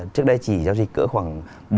trước đây chỉ giao dịch cỡ khoảng